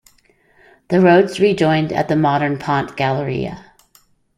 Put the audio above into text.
The roads rejoined at the modern Ponte Galeria.